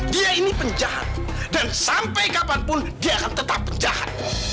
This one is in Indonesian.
dia ini penjahat dan sampai kapanpun dia akan tetap penjahat